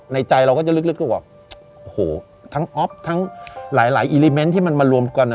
ในใจเราก็จะลึกกับว่าทั้งออฟทั้งหลายอิลิเมนต์ที่มันมารวมกัน